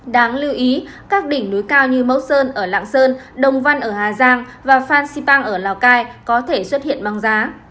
đáng lưu ý các đỉnh núi cao như mẫu sơn ở lạng sơn đồng văn ở hà giang và phan xipang ở lào cai có thể xuất hiện băng giá